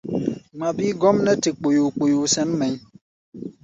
Ŋma bíí gɔ́m nɛ́ te kpoyoo-kpoyoo sɛ̌n mɛʼí̧.